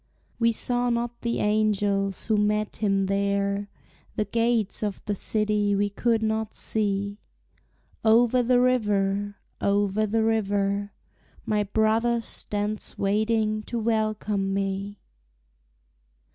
We saw not the angels who met him there, The gates of the city we could not see: Over the river, over the river, My brother stands waiting to welcome me.